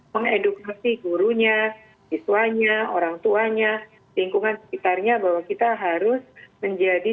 mengedukasi gurunya siswanya orang tuanya lingkungan sekitarnya bahwa kita harus menjadi